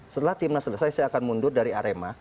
setelah timnas selesai saya akan mundur dari arema